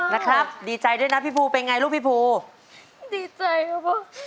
นะครับดีใจด้วยนะพี่ภูเป็นไงลูกพี่ภูดีใจครับพ่อ